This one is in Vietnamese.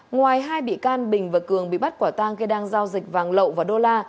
ngoài hai bị can bình và cường bị bắt quả tang khi đang giao dịch vàng lậu và đô la